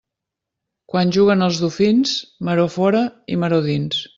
Quan juguen els dofins, maror fora i maror dins.